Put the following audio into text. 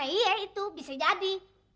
iya itu bisa jadi